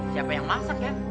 siapa yang masak ya